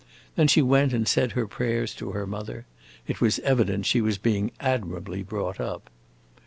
Then she went and said her prayers to her mother: it was evident she was being admirably brought up.